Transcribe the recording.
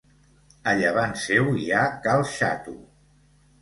A llevant seu hi ha Cal Xato.